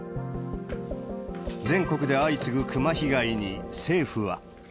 全国で相次ぐクマ被害に政府は。